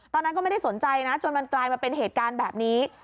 ตอนนั้นก็ไม่ได้สนใจนะจนมันกลายมาเป็นเหตุการณ์แบบนี้